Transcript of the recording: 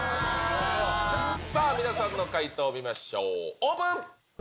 さあ、皆さんの回答を見ましょう、オープン。